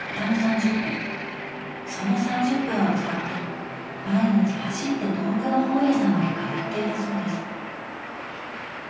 その３０分を使って毎日走って遠くの本屋さんまで通っていたそうです。